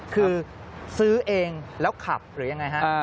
คือซื้อเองแล้วขับหรือยังไงฮะ